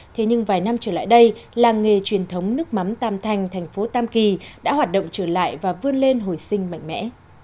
thế nhưng vài năm trở lại đây làng nghề truyền thống nước mắm tam thành thành phố tam kỳ đã hoạt động trở lại và vươn lên hồi sinh mạnh mẽ